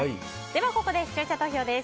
ここで視聴者投票です。